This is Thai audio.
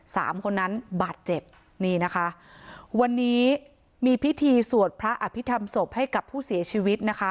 สามคนนั้นบาดเจ็บนี่นะคะวันนี้มีพิธีสวดพระอภิษฐรรมศพให้กับผู้เสียชีวิตนะคะ